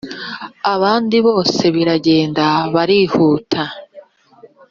abandi bose riragenda barihuta